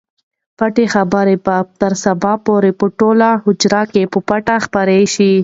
پټه خبره به تر سبا پورې په ټوله حجره کې په پټه خپره شي.